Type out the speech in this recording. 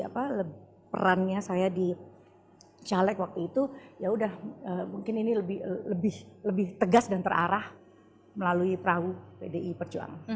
jadi perannya saya di caleg waktu itu yaudah mungkin ini lebih tegas dan terarah melalui perahu pdi perjuangan